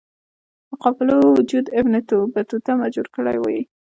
د قافلو وجود ابن بطوطه مجبور کړی وی.